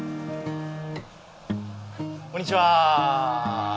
こんにちは！